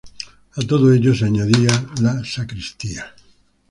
A todo ello se añadió la sacristía.